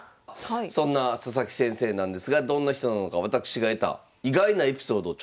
そんな佐々木先生なんですがどんな人なのか私が得た意外なエピソードをちょっとご紹介したいと思います。